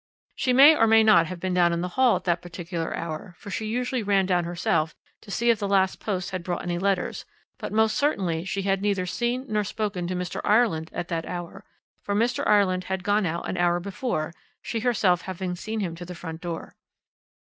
"She may or may not have been down in the hall at that particular hour, for she usually ran down herself to see if the last post had brought any letters, but most certainly she had neither seen nor spoken to Mr. Ireland at that hour, for Mr. Ireland had gone out an hour before, she herself having seen him to the front door.